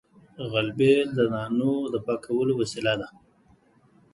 غلبېل د دانو د پاکولو وسیله ده